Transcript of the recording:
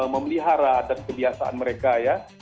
memelihara atas kebiasaan mereka ya